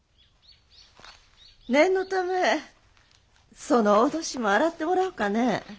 念のためその大年増を洗ってもらおうかね。